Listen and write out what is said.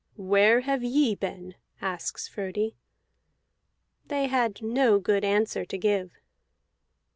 "Where have ye been?" asks Frodi. They had no good answer to give.